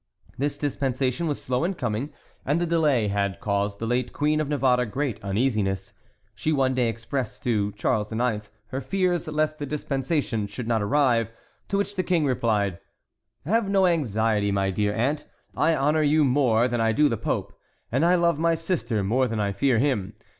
The dispensation was slow in coming, and the delay had caused the late Queen of Navarre great uneasiness. She one day expressed to Charles IX. her fears lest the dispensation should not arrive; to which the King replied: "Have no anxiety, my dear aunt. I honor you more than I do the Pope, and I love my sister more than I fear him.